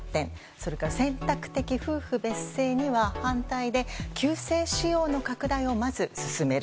それから選択的夫婦別姓には反対で旧姓使用の拡大をまず進める。